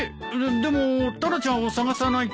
でもタラちゃんを捜さないと。